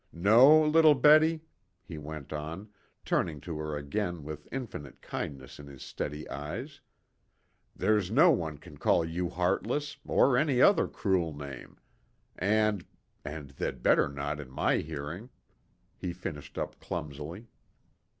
No, little Betty," he went on, turning to her again with infinite kindness in his steady eyes, "there's no one can call you heartless, or any other cruel name and and they'd better not in my hearing," he finished up clumsily.